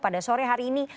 pada sore hari ini